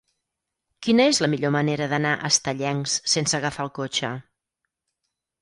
Quina és la millor manera d'anar a Estellencs sense agafar el cotxe?